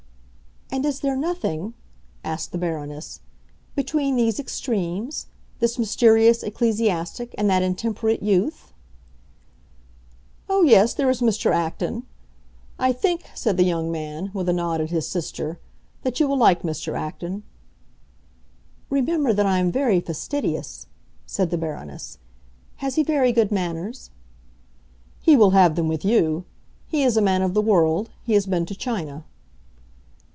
"And is there nothing," asked the Baroness, "between these extremes—this mysterious ecclesiastic and that intemperate youth?" "Oh, yes, there is Mr. Acton. I think," said the young man, with a nod at his sister, "that you will like Mr. Acton." "Remember that I am very fastidious," said the Baroness. "Has he very good manners?" "He will have them with you. He is a man of the world; he has been to China."